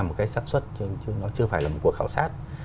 một cách sắp xuất chứ nó chưa phải là một cuộc khảo sát